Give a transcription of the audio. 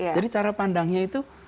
jadi cara pandangnya itu